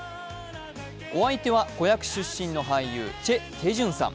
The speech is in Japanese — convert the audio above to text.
お相手は子役出身の俳優、チェ・テジュンさん。